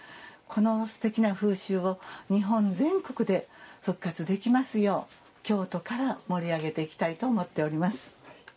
このすてきな風習を日本全国で復活できますよう京都から盛り上げていきたいと思っております。